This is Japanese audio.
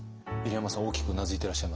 入山さん大きくうなずいてらっしゃいますが。